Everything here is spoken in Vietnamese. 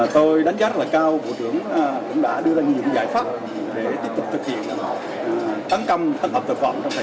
tôi đánh giá rất cao bộ trưởng đã đưa ra nhiều những giải pháp để thực hiện tăng cầm tội phạm trong thời gian tới